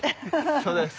そうです